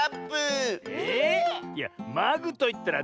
えいや「まぐ」といったら「ねっと」。